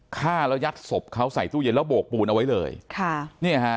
ฆ่าแล้วยัดศพเขาใส่ตู้เย็นแล้วโบกปูนเอาไว้เลยค่ะเนี่ยฮะ